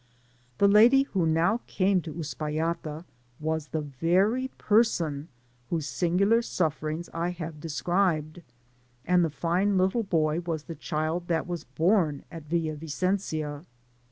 The lady who now came to Uspallata was the very person whose singular sufferings I have de scribed, and the fine little boy was the child that was born at Villa Vicencia.